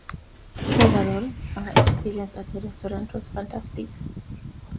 Overall, our experience at the restaurant was fantastic.